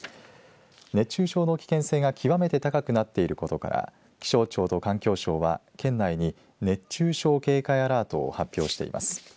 熱中症の危険性が極めて高くなっていることから気象庁と環境省は県内に熱中症警戒アラートを発表しています。